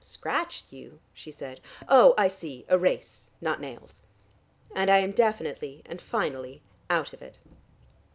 "Scratched you?" she said. "Oh, I see, a race: not nails." "And I am definitely and finally out of it."